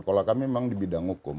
kalau kami memang di bidang hukum